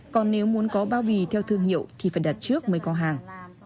còn nếu muốn có bao bì theo thương hiệu thì phải đặt trước mới có hàng